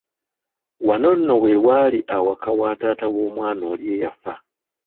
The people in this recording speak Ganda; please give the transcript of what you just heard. Wano nno w'ewaali awaka wa taata w'omwana oli eyafa.